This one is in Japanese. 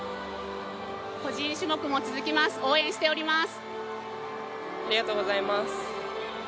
個人種目も続きます、応援しております。